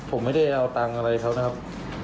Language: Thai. ผมไม่ได้เอาตังค์อะไรเขานะครับ